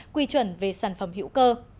quy chuẩn về sản phẩm hữu cơ